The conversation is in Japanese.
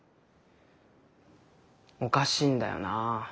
おかしいんだよな。